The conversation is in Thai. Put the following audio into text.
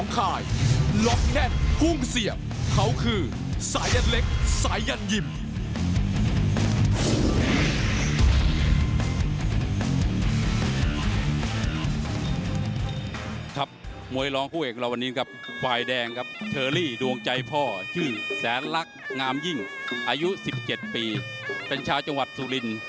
มวยร้องคู่เอกเราวันนี้ครับฝ่ายแดงครับเชอรี่ดวงใจพ่อชื่อแสนลักษณ์งามยิ่งอายุ๑๗ปีเป็นชาวจังหวัดสุริน